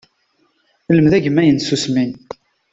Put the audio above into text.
Lmed agemmay n tsusmi.